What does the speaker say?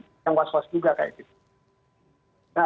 jadi ada yang was was juga kayak gitu